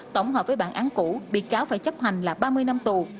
tổng hợp với bản án cũ bị cáo phải chấp hành là ba mươi năm tù